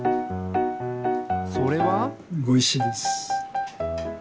それは？ごいしです。